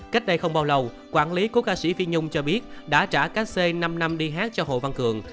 cách đây không bao lâu quản lý của ca sĩ phi nhung cho biết đã trả ca xê năm năm đi hát cho hồ văn cường